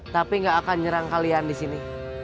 tapi gak akan nyerang kalian di sini